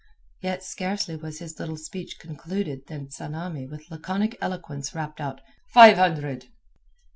Yet scarcely was his little speech concluded than Tsamanni with laconic eloquence rapped out: "Five hundred."